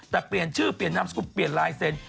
แต่เปลี่ยนชื่อเปลี่ยนนามสกุลเปลี่ยนลายเซ็นต์